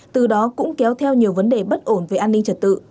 từ đó cũng kéo theo nhiều vấn đề bất ổn về an ninh trật tự